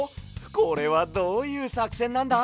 これはどういうさくせんなんだ？